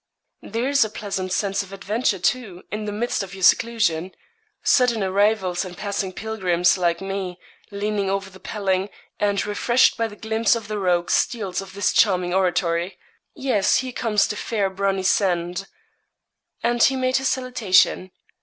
'There's a pleasant sense of adventure, too, in the midst of your seclusion. Sudden arrivals and passing pilgrims, like me, leaning over the paling, and refreshed by the glimpse the rogue steals of this charming oratory. Yes; here comes the fair Brunnisende.' And he made his salutation.